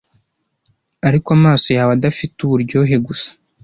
ariko amaso yawe adafite uburyohe gusa